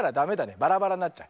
バラバラになっちゃう。